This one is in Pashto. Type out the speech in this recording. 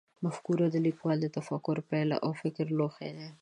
مفکوره د لیکوال د تفکر پایله او د فکر لوښی دی.